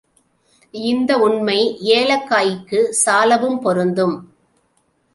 இந்த உண்மை ஏலக்காய்க்குச் சாலவும் பொருந்தும்.